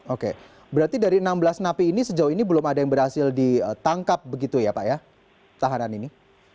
oke berarti dari enam belas napi ini sejauh ini belum ada yang berhasil ditangkap begitu ya pak ya tahanan ini